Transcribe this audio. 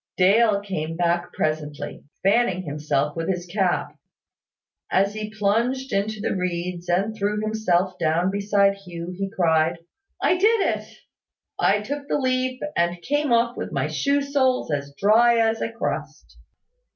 Dale came back presently, fanning himself with his cap. As he plunged into the reeds, and threw himself down beside Hugh, he cried, "I did it! I took the leap, and came off with my shoe soles as dry as a crust.